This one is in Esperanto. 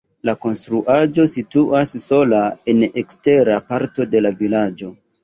La konstruaĵo situas sola en ekstera parto de la vilaĝo.